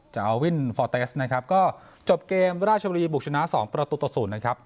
อาวินฟอร์เตสนะครับก็จบเกมราชบุรีบุกชนะ๒ประตูต่อ๐นะครับ